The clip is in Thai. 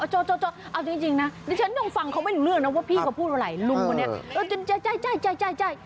เอาจริงนะฉันต้องฟังเขาไม่นึกเรื่องนะว่าพี่เขาพูดอะไร